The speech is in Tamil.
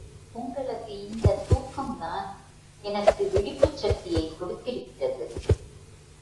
உங்களது இந்தத் தூக்கம்தான் எனக்கு விழிப்புச் சக்தியைக் கொடுத்திருக்கிறது.